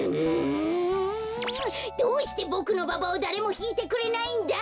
どうしてボクのババをだれもひいてくれないんだ！